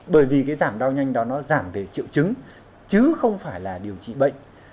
bởi vì giảm đau nhanh đó giảm về triệu chứng chứ không phải là điều trị bệnh